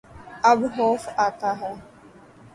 اب خوف آتا ہے